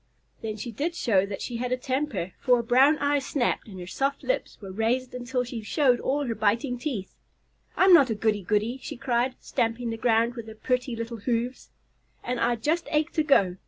Then she did show that she had a temper, for her brown eyes snapped and her soft lips were raised until she showed all her biting teeth. "I'm not a 'goody goody,'" she cried, stamping the ground with her pretty little hoofs, "and I just ache to go.